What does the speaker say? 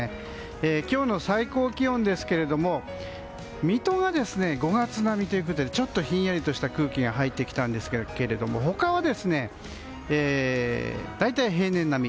今日の最高気温は水戸が５月並みということでちょっとひんやりとした空気が入ってきたんですけど他は大体平年並み。